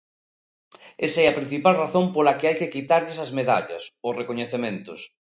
Esa é a principal razón pola que hai que quitarlles as medallas, os recoñecementos.